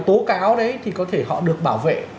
tố cáo đấy thì có thể họ được bảo vệ